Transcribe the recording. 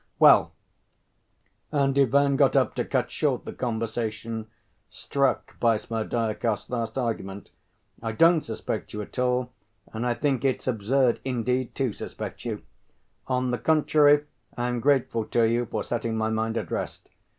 "Well," and Ivan got up to cut short the conversation, struck by Smerdyakov's last argument. "I don't suspect you at all, and I think it's absurd, indeed, to suspect you. On the contrary, I am grateful to you for setting my mind at rest.